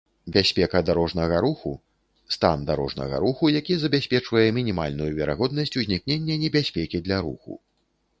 бяспека дарожнага руху — стан дарожнага руху, які забяспечвае мінімальную верагоднасць узнікнення небяспекі для руху